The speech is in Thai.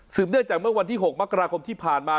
เนื่องจากเมื่อวันที่๖มกราคมที่ผ่านมา